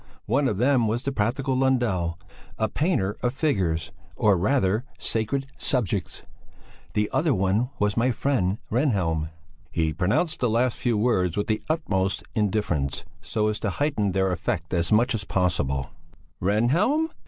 One of them was the practical Lundell, a painter of figures, or rather, sacred subjects; the other one was my friend Rehnhjelm." He pronounced the last few words with the utmost indifference, so as to heighten their effect as much as possible. "Rehnhjelm?"